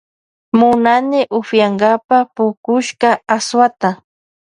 Munani upiyankapa pukushka aswata.